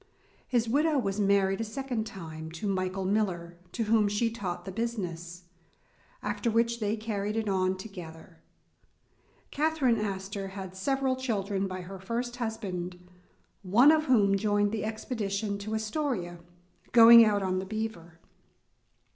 His widow was married a second time, to Michael Miller, to whom she taught the business, after which they carried it on together. Catherine Astor had several children by her first husband, one of whom joined the expedtion to Astoria, going out on the Beaver.